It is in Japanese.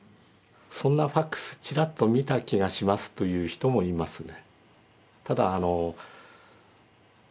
「そんなＦＡＸちらっと見た気がします」という人もいますね。